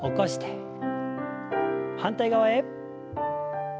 反対側へ。